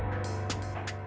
mereka pasti akan terpisah